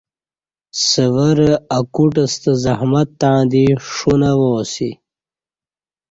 سورہ ا کوٹ ستہ زحمت تݩع دی ݜونہ وا اسی